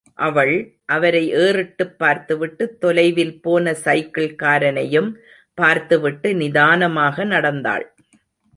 அவள், அவரை ஏறிட்டுப் பார்த்துவிட்டு, தொலைவில்போன சைக்கிள் காரனையும் பார்த்துவிட்டு நிதானமாக நடந்தாள்.